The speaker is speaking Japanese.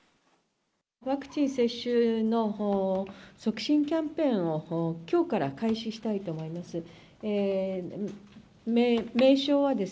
ワクチン接種の促進キャンペーンを、きょうから開始したいと思います。